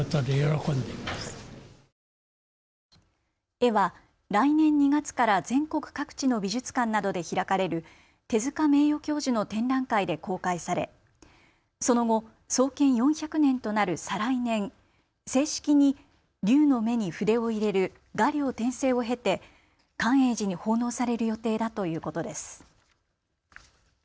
絵は来年２月から全国各地の美術館などで開かれる手塚名誉教授の展覧会で公開されその後、創建４００年となる再来年、正式に竜の目に筆を入れる画りょう点せいを経て寛永寺に奉納される予定だということです。